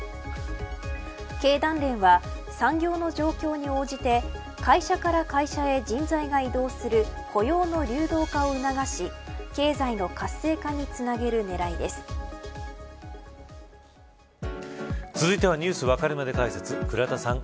経団連は、産業の状況に応じて会社から会社へ人材が移動する雇用の流動化を促し経済の活性化につなげる続いてはニュースわかるまで解説倉田さん